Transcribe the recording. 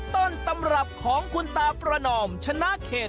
ต้นตำรับของคุณตาประนอมชนะเขต